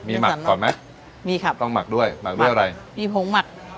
มีหมักก่อนไหมมีครับต้องหมักด้วยหมักด้วยอะไรมีผงหมัก